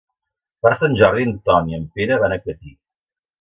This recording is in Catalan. Per Sant Jordi en Ton i en Pere van a Catí.